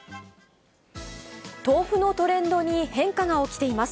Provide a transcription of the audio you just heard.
豆腐のトレンドに変化が起きています。